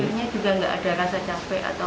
airnya juga nggak ada rasa capek atau